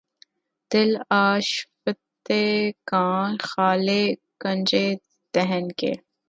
دل آشفتگاں خالِ کنجِ دہن کے